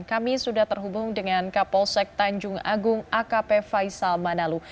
kami sudah terhubung dengan kapolsek tanjung agung akp faisal manalu